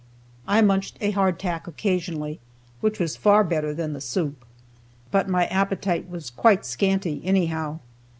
I munched a hardtack occasionally, which was far better than the soup. But my appetite was quite scanty, anyhow.